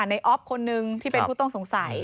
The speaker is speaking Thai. อ๊อฟคนนึงที่เป็นผู้ต้องสงสัย